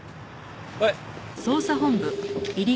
はい。